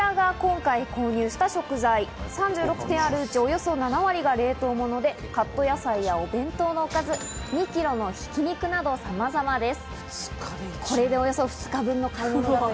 こちらが今回購入した食材、３６点あるうち、およそ７割が冷凍物でカット野菜やお弁当のおかず、２キロの挽き肉など様々です。